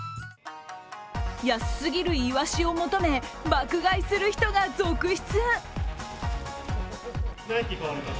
安すぎるイワシを求め爆買いする人が続出。